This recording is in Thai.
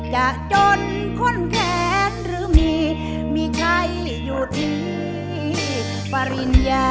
จะจนข้นแขนหรือมีมีไข้อยู่ที่ปริญญา